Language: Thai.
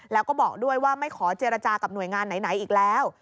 แล้วก็บอกด้วยว่าไม่ขอเจรจากับหน่วยงานไหนอีกแล้ว